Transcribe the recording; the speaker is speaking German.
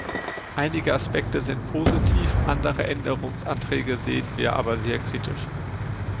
Einige Aspekte sind positiv, andere Änderungsanträge sehen wir aber sehr kritisch.